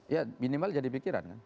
ya minimal jadi pikiran kan